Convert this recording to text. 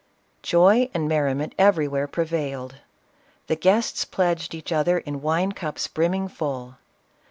Joy and merriment everywhere prevailed. The guests pledged each other in wine cups brimming full.